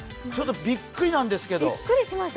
ちょっとびっくりなんですけど！